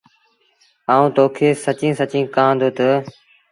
آئوٚنٚ تو کي سچيٚݩ سچيٚݩ ڪهآندو تا